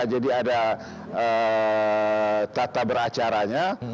jadi ada tata beracaranya